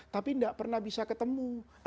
tapi tidak pernah bisa ketemu